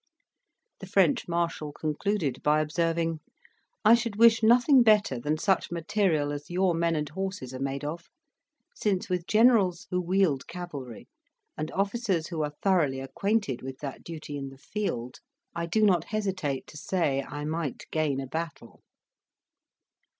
The French Marshal concluded by observing "I should wish nothing better than such material as your men and horses are made of; since with generals who wield cavalry, and officers who are thoroughly acquainted with that duty in the field, I do not hesitate to say I might gain a battle."